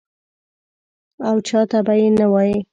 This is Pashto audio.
او چا ته به یې نه وایې.